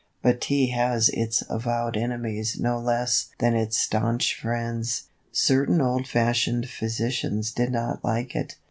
But Tea had its avowed enemies no less than its staunch friends. Certain old fashioned physicians did not like it.